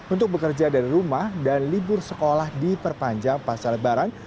untuk bekerja dari rumah dan libur sekolah diperpanjang pasca lebaran